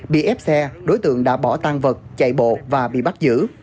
bị ép xe đối tượng đã bỏ tan vật chạy bộ và bị bắt giữ